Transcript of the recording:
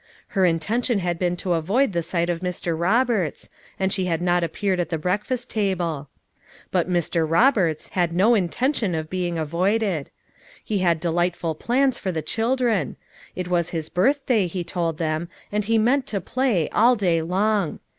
Her intention had been to avoid the sight of Mr. Roberts, and she had not appeared at the breakfast table. But "Mr. Roberts" had no intention of being avoided. He had delightful plans for the children. It was his birthday he told them and he meant to play, all day long.